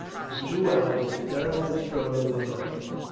For two hours a terrible struggle went on.